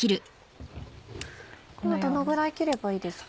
どのぐらい切ればいいですか？